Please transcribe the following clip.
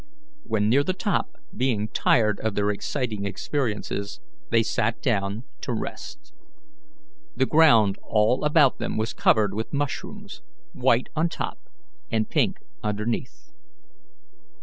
When near the top, being tired of their exciting experiences, they sat down to rest. The ground all about them was covered with mushrooms, white on top and pink underneath.